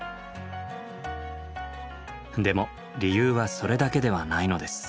でも理由はそれだけではないのです。